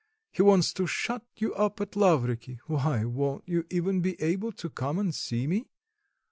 He wants to shut you up at Lavriky. Why, won't you even be able to come and see me?